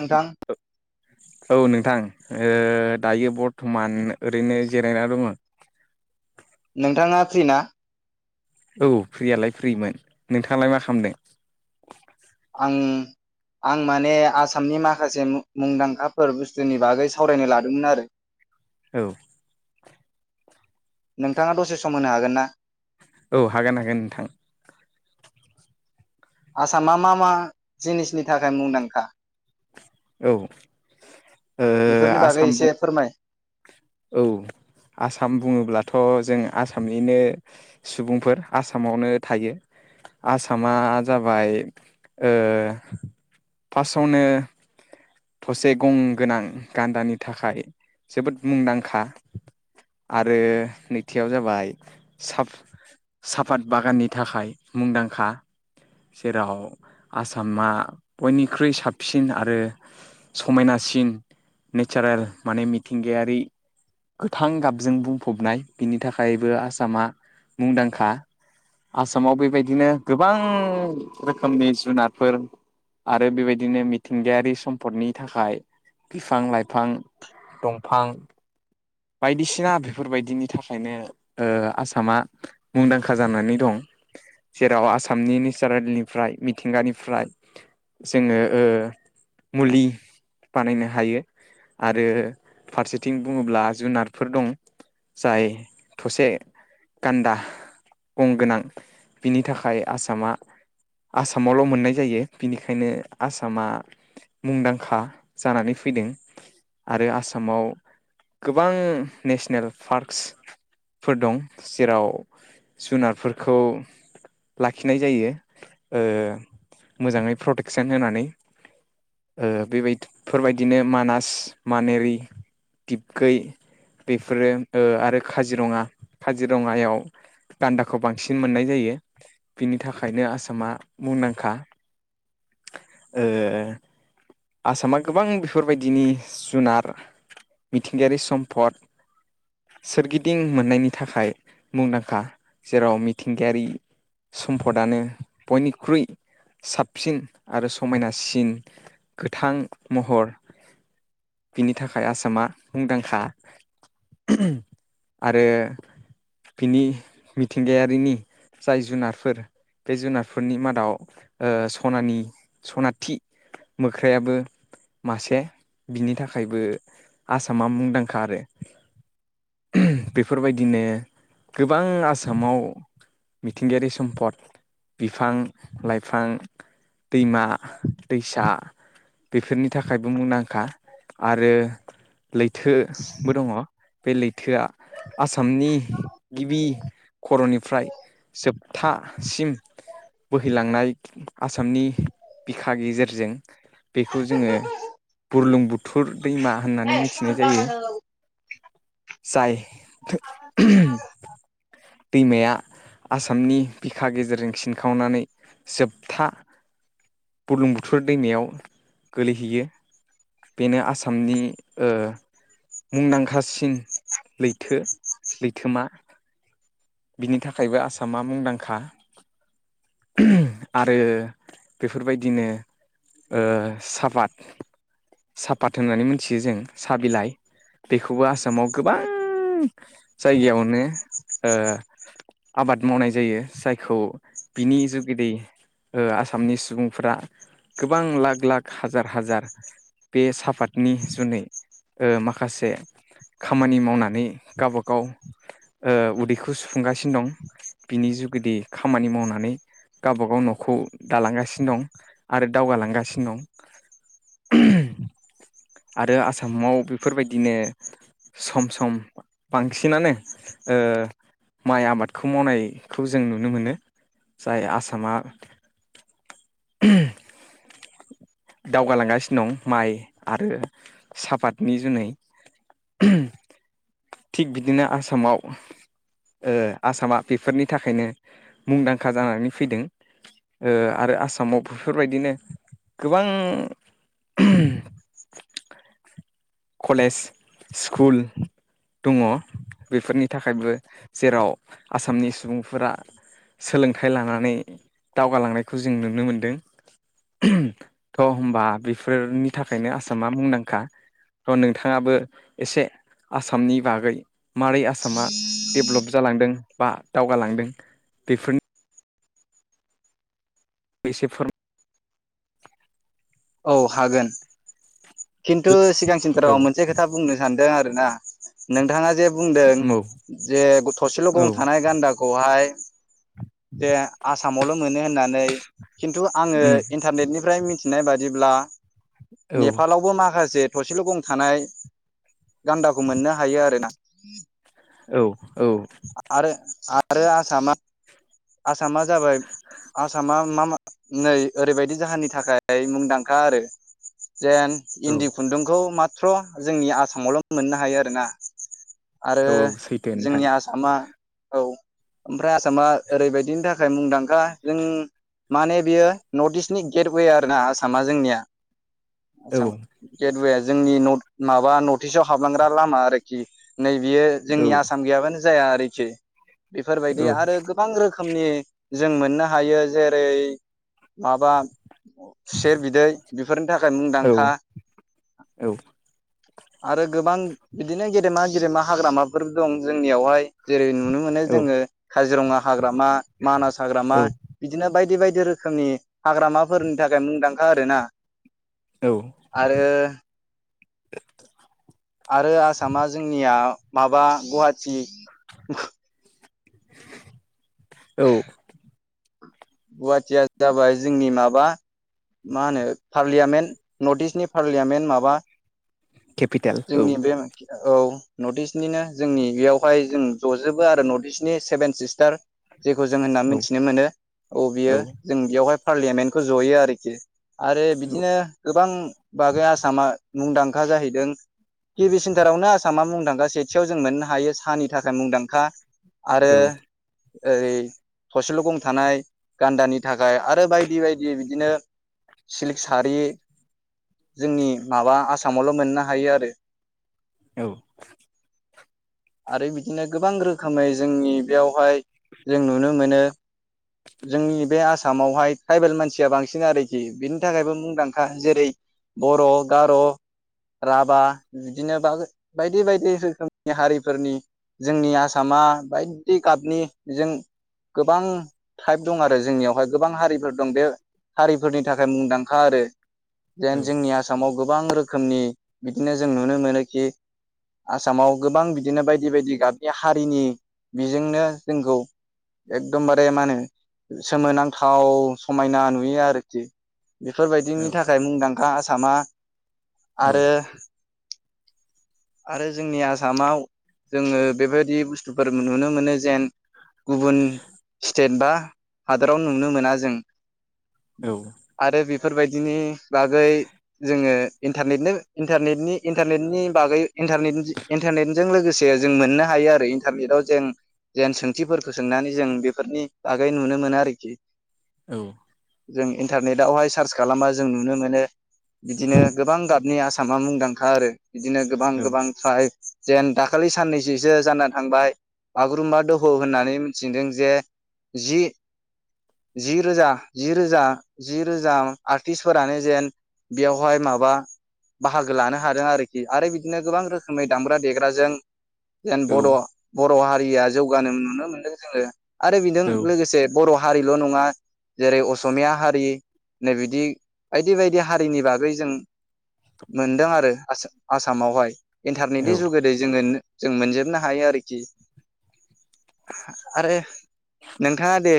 नोंथां औ नोंथां ओ दायो बरथ'मान ओरैनो जेरायना दङ नोंथाङा फ्रि ना औ फ्रियालाय फ्रिमोन नोंथाङालाय मा खामदों आं आं माने आसामनि माखासे मु-मुंदांखाफोर बुस्तुनि बागै सावरायनो लादोंमोन आरो औ नोंथाङा दसे सम होनो हागोन ना औ हागोन हागोन नोंथां आसामा मा मा जिनिसनि थाखाय मुंदांखा औ ओ बेफोरनि बागै आसाम एसे बुं फोरमाय औ आसाम बुङोब्ला थ' जों आसामनिनो सुबुंफोर आसामावनो थायो आसामा जाबाय ओ फास आवनो थसे गं गोनां गान्दानि थाखाय जोबोद मुंदांखा आरो नैथियाव जाबाय सा- साफाद बागाननि थाखाय मुंदांखा जेराव आसामा बयनिख्रुइ साबसिन आरो समायनासिन नेचारेल माने मिथिंगायारि गोथां गाबजों बुंफबनाय बिनि थाखायबो आसामा मुंदांखा आसामाव बेबायदिनो गोबां रोखोमनि जुनारफोर आरो बेबायदिनो मिथिंगायारि सम्पदनि थाखाय बिफां लाइफां दंफां बायदिसिना बेफोरबायदिनि थाखायनो ओ आसामा मुंदांखा जानानै दं जेराव आसामनि नेसारेलनिफ्राय मिथिंगानिफ्राय जोङो ओ मुलि बानायनो हायो आरो फारसेथिं बुङोब्ला जुनारफोर दं जाय थसे गान्दा गं गोनां बिनि थाखाय आसामा आसामावल' मोननाय जायो बिनिखायनो आसामा मुंदांखा जानानै फैदों आरो आसामाव गोबां नेसनेल पार्कसफोर दं जेराव जुनारफोरखौ लाखिनाय जायो ओ मोजाङै प्रटेकसन होनानै ओ बेबायदि फोरबायदिनो मानास मानेरि गै बेफोरो आरो काजिरङा काजिरङायाव दान्दाखौ बांसिन मोननाय जायो बिनि थाखायनो आसामा मुंदांखा ओ आसामा गोबां बेफोरबायदिनि जुनार मिथिंगायारि सम्पद सोरगिदिं मोननायनि थाखाय मुंदांखा जेराव मिथिंगायारि सम्पदानो बयनिख्रुइ साबसिन आरो समायनासिन गोथां महर बिनि थाखाय आसामा मुंदांखा आरो बिनि मिथिंगायारिनि जाय जुनारफोर बे जुनारफोरनि मादाव ओ सनानि सनाथि मोख्रायाबो मासे बिनि थाखायबो आसामा मुंदांखा आरो बेफोरबायदिनो गोबां आसामाव मिथिंगायारि सम्पद बिफां लाइफां दैमा दैसा बेफोरनि थाखायबो मुंदांखा आरो लैथोबो दङ बे लै थोआ आसामनि गिबि खर'निफ्राय जोबथा सिम बोहैलांनाय आसामनि बिखा गेजेरजों बेखौ जोङो बुरलुंबुथुर दैमा होननानै मिथिनाय जायो [unintelligible] जाय [unintelligible] दैमाया आसामनि बिखा गेजेरजों खिनखावनानै जोबथा बुरलुंबुथुर दैमायाव गोलैहैयो बेनो आसामनि ओ मुंदांखासिन लैथो लैथोमा बिनि थाखायबो आसामा मुंदांखा आरो बेफोरबायदिनो सापात सापात होननानै मोनथियो जों साहा बिलाइ बेखौबो आसामाव गोबां जायगायावनो ओ आबाद मावनाय जायो जायखौ बिनि जुगिदि ओ आसामनि सुबुंफोरा गोबां लाख लाख हाजार हाजार बे साफादनि जुनै ओ माखासे खामानि मावनानै गावबागाव ओ उदैखौ सुफुंगासिनो दं बिनि जुगिदि खामानि मावना नै गावबा गाव न'खौ दालांगासिनो दं आरो दावगालांगासिनो दं आरो आसामाव बेफोरबायदिनो सम सम बांसिनानो ओ माइ आबादखौ मावनायखौ जों नुनो मोनो जाय आसामा दावगालांगासिनो दं माइ आरो सापातनि जुनै थिग बिदिनो आसामाव ओ आसामा बेफोरनि थाखायनो मुंदांखा जानानै फैदों ओ आरो आ सामाव बेफोरबायदिनो गोबां कलेज स्कुल दङ बेफोरनि थाखायबो जेराव आसामनि सुबुंफोरा सोलोंथाइ लानानै दावगालांनायखौ जों नुनो मोनदों थ' होमबा बेफोरनि थाखायनो आसामा मुंदांखा थ' नोंथाङाबो एसे आसामनि बागै मारै आसामा डेभलप जालांदों बा दावगालांदों बेफोर [unintelligible] अ हागोन खिन्थु औ सिगांसिनफोराव मोनसे खोथा बुंनो सानदों आरो ना नोंथाङा जेब बुंदों औ जे थसेल' गं औ थानाय गान्दाखौहाय जे आसा आसामावल' मोनो होननानै नै खिनथु आङो उम इन्टारनेनिफ्राय मिथि नाय बा जेब्ला औ नेपालावबो माखासे थसेल' गं थानाय गान्दाखौ मोननो हायो आरोना औ औ आरो आरो आसामा आसाम आसामा जाबाय आसामा मा मा नै ओरैबायदि जाहोननि थाखाय मुं दांखा आरो जेन औ इन्दि खुन्दुंखौ मा माथ्र' जोंनि आसामावल' मोननो हायो आरोना आरो औ औ सैथो नोंथां जोंनि आसामा औ ओमफ्राय आसामा ओरैबायदिनि थाखाय मुंदांखा जों माने बियो नर्थ इस्टनि गेटवे आरोना आसाम मा जोंनिया औ आसाम गेट अवोल जोंनि नर्थ माबा नर्थ इस्टआव हाबलांग्रा लामा आरोखि नै बियो औ जोंनि आसाम गैयाबानो जाया आरोखि बेफोरबायदि आरो गोबां रोखोमनि जों मोननो हायो जेरै माबा खुसेर बिदै बेफोरनि थाखाय औ मुंदांखा औ आरो गोबां बिदिनो गेदेमा गेदेमा हाग्रामाफोर दं जोंनियावहाय जे नुनो मोनो जोङो काजिरङा हाग्रामा मानास हाग्रामा औ औ बिदिनो बायदि बायदि बायदि रोखोमनि हाग्रामाफोरनि थाखाय मुंदांखा आरोना औ आरो आरो आसामा जोंनिया माबा गुवाहाटी औ गुवाहाटिया जाबाय जोंनि माबा मा होनो पार्लियामेन्ट नर्थ इस्टनि पार्लियामेन्ट माबा केपिटेल औ जोंनि बे औ नर्थइस्टनिनो जोंनि बेयावहाय जों ज'जोबो आरो नर्थइस्टनि सेभेन सिस्टार जेखौ जों होनना औ मिथिनो मोनो औ बियो जों बेयावहाय पार्लियामेन्टखौ जयो आरोखि आरो औ बिदिनो गोबां बागै आसामा मुंदांखा जाहैदों किबि सेन्टारावनो आसामा मुंदांखा सेथियाव जों मोननो हायो साहानि थाखाय मुंदांखा आरो औ ओरै थसेल' गं थानाय गान्दानि थाखाय आरो बायदि बायदि बिदिनो सिल्क सारि जोंनि माबा आसामावल' मोननो हायो आरो औ आरो बिदिनो गोबां रोखोमै जोंनि बेयावहाय जों नुनो मोनो जोंनि बे आसामावहाय ट्राइबेल मानसिया बांसिन आरोखि बिनि थाखायबो मुंदांखा जेरै बर' गार' राभा बिदिनो बां बायदि बायदि रोखोमनि हारिफोरनि जोंनि आसामा बायदि गाबनि जों गोबां टाइप दं आरो जोंनियावहाय गोबां हारिफोर दं बे हारिफोरनि थाखाय मुंदांखा आरो औ जेन जोंनि आसामाव गोबां रोखोम रोखोमनि बिदिनो जों नुनो मोनोखि आसामाव गोबां बिदिनो बायदि बायदि गाबनि हारिनि बिजोंनो जोंखौ एकदमबारे मा होनो सोमोनांथाव समायना नुयो आरोखि औ बेफोरबायदिनि थाखाय मुंदांखा आस थामा आरो आरो जोंनि आसामाव जोङो बेबायदि बुस्थुफोर नुनो मोनो जेन गुबुन स्टेट बा हादराव नुनो मोना जों औ आरो बि बेफोरबायदिनि बागै जोङो इन्टारनेटनो इन्टारनेटनि इन्टारनेटनि बागै इन्टारने इन्टारनेटजों लोगोसे जों मोननो हायो आरो इन्टारनेटाव जों जेन सोंथिफोरखौ सोंनानै जों बेफोरनि बागै नुनो मोनो आरोखि औ जों इन्टारनेटावहाय सार्च खालामबा जों नुनो मोनो बिदिनो गोबां गाबनि आस सामा मुंदांखा आरो बिदिनो गोबां गोबां साइ जेन दाखालि साननैसोसो जाना थांबाय बागुरुम्बा दहौ होननानै मिथिदों जे जि रोजा जि रोजा जि रोजा आर्टिस्टफोरानो जेन बेयावहाय माबा बाहागो लानो हादों आरोखि आरो बिदिनो गोबां रोखोमै दामग्रा देग्राजों जों बड'' बद बर' हारिया जौगानो नुनो मोनदों जोङो आरो बेजों लोगोसे बर' हारिल' नङा जेरै असमिया हारि नै बिदि बायदि बायदि हारिनि बागै जों मोनदों आरो आसामावहाय औ इन्टारनेटनि जुगोदै जोङो जों मोनजोबनो हायो आरोखि आरो नोंथाङा दे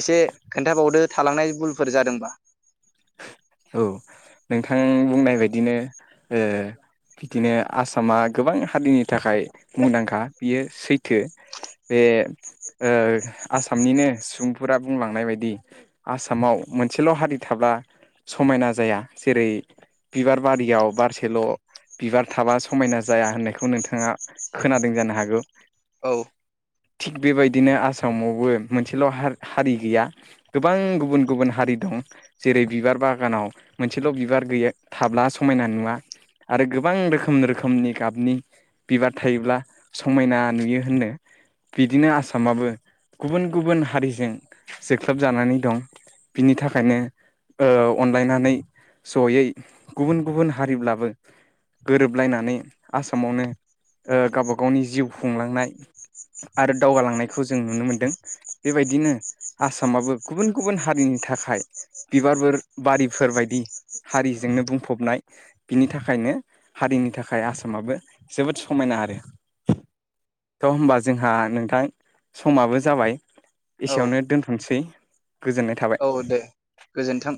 एसे खोन्थाबावदो थालांनाय भुलफोर जादोंबा औ नोंथां बुंनाय बायदिनो ओ बिदिनो आसामा गोबां हारिनि थाखाय मुंदांखा बियो सैथो बे ओ आसामनिनो सुबुंफोरा बुंलांनाय बायदि आसामाव मोनसेल' हारि थाब्ला समायना जाया जेरै बिबार बारियाव बारसेल' बिबार थाबा समायना जाया होननायखौ नोंथाङा खोनादों जानो हागौ औ थिग बेबायदिनो आसामावबो मोनसेल' हारि हारि गैया गोबां गुबुन गुबुन हारि दं जेरै बिबार बाग बागानाव मोनसेल' बिबार गैया थाब्ला समायना नुवा आरो गोबां रोखोम रोखोमनि गाबनि बिबार थायोब्ला समायना नुयो होननो बिदिनो आसामाबो गुबुन गुबुन हारिजों जोख्लबजानानै दं बिनि थाखायनो अनलायनानै जयै गुबुन गुबुन हारिब्लाबो गोरोबलायनानै आसामावनो ओ गावबा गावनि जिउ खुंलांनाय आरो दावगालांनायखौ जों नुनो मोनदों बेबायदिनो आसामाबो गुबुन गुबुन हारिनि थाखाय बिबारफोर बारिफोर बायदि हारिजोंनो बुंफबनाय बिनि थाखायनो हारिनि थाखाय आसामाबो जोबोद समायना आरो थ' होमबा जोंहा नोंथां समाबो जाबाय औ एसेयावनो दोनथ' थ'नोसै गोजोननाय थाबाय औ दे गोजोन्थों